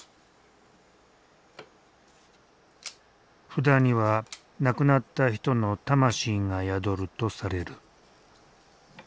札には亡くなった人の魂が宿るとされる。